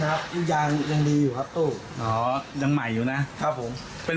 อายุยังดีอยู่ครับตู้อ๋อยังใหม่อยู่นะครับผมเป็น